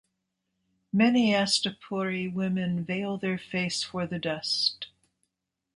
Many Astapori women veil their face for the dust.